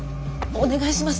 お願いします。